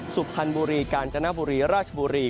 สุพรรณบุรีกาญจนบุรีราชบุรี